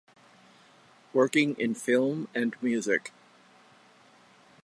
Working in film and music.